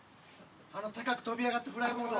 あの高く飛び上がったフライボード。